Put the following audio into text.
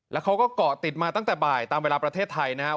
แล้วเขาก็เกาะติดมาตั้งแต่บ่ายตามเวลาประเทศไทยนะครับ